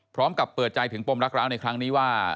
พร้อมกับเปิดใจถึงปมรักร้าวในครั้งนี้ว่า